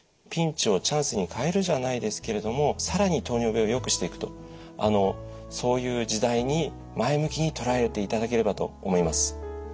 ピンチをチャンスに変えるじゃないですけれども更に糖尿病をよくしていくとそういう時代に前向きに捉えていただければと思います。